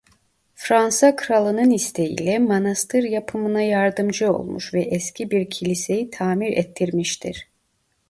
Fransa kralının isteğiyle manastır yapımına yardımcı olmuş ve eski bir kiliseyi tamir ettirmiştir.